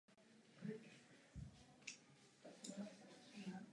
Statky Borovnice a Lhota se dostaly do rukou jejich manželů.